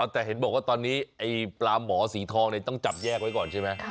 แต่เห็นบอกว่าตอนนี้ไอ้ปลาหมอสีทองต้องจับแยกไว้ก่อนใช่ไหม